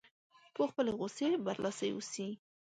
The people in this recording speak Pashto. په خپلې غوسې برلاسی اوسي.